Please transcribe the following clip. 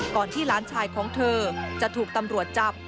ที่หลานชายของเธอจะถูกตำรวจจับ